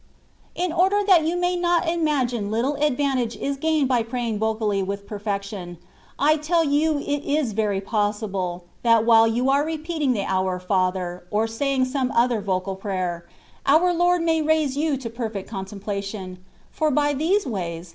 In order that you may not imagine little advan tage is gained by praying vocally with perfection, I tell you it is very possible, that while you are repeating the ^^ Our Father/^ or saying some other vocal prayer, our Lord may raise you to perfect contemplation; for by these ways.